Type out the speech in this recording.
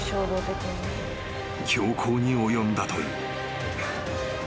［凶行に及んだという］